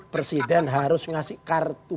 presiden harus ngasih kartu